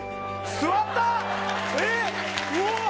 座った。